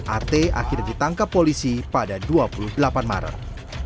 at akhirnya ditangkap polisi pada dua puluh delapan maret